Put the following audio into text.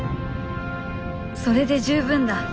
それで十分だ。